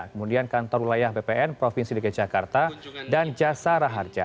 kemudian kantor wilayah bpn provinsi dki jakarta dan jasara harja